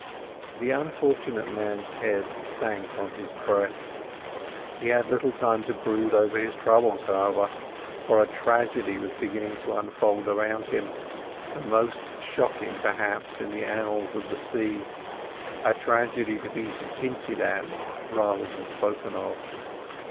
The unfortunate man's head sank on his breast. He had little time to brood over his troubles, however, for a tragedy was beginning to unfold around him, the most shocking, perhaps, in the annals of the sea—a tragedy to be hinted at rather than spoken of.